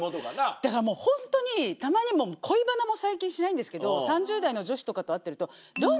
だからもうホントにたまに恋バナも最近しないんですけど３０代の女子とかと会ってると。